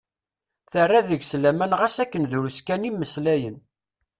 Terra deg-s laman ɣas akken drus kan i mmeslayen.